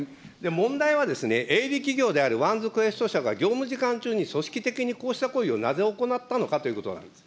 問題は、営利企業であるワンズクエスト社が業務時間中に、組織的にこうした行為をなぜ行ったのかということなんです。